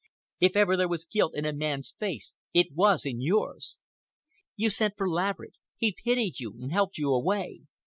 If ever there was guilt in a man's face, it was in yours. You sent for Laverick. He pitied you and helped you away.